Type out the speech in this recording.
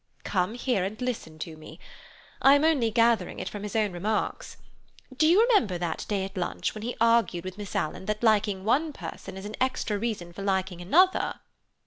Come here and listen to me. I am only gathering it from his own remarks. Do you remember that day at lunch when he argued with Miss Alan that liking one person is an extra reason for liking another?"